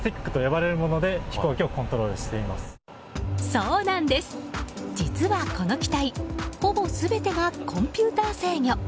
そうなんです、実はこの機体ほぼ全てがコンピューター制御。